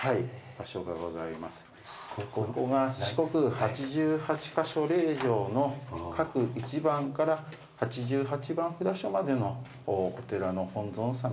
四国八十八ヶ所霊場の各一番から八十八番札所までのお寺の本尊さまと。